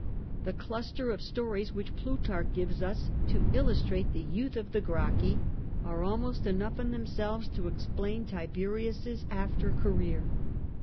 The cluster of stories which Plutarch gives us to illustrate the youth of the Gracchi are almost enough by themselves to explain Tiberius's after career.